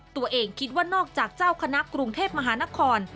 ตัวเองคิดว่านอกจากเจ้าคณะกรุงเทพมหานคร